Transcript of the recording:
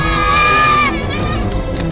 jangan jangan jangan